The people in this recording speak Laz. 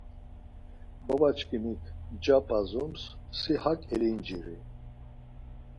Baba şǩimik nca p̌azums. Si hak elinciri.